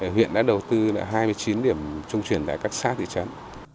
huyện đã đầu tư hai mươi chín điểm trung chuyển tại các xã thị trấn